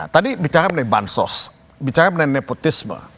tadi bicara menaik bansos bicara menaik nepotisme